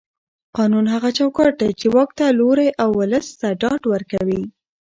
قانون هغه چوکاټ دی چې واک ته لوری او ولس ته ډاډ ورکوي